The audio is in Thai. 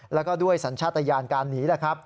แล้วก็ด้วยสัญชาตญาณการหนี